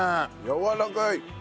やわらかい！